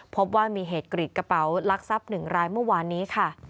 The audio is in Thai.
พบว่ามีเหตุกรีดกระเป๋าลักทรัพย์๑รายเมื่อวานนี้ค่ะ